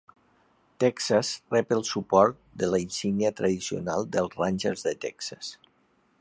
"Texas" rep el suport de la insígnia tradicional dels Rangers de Texas.